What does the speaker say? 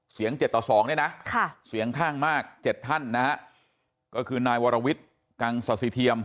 เสียงเจ็ดต่อสองด้วยนะค่ะเสียงข้างมาก๗ท่านนะครับก็คือนายวรวิธิ์กังศสิเทียม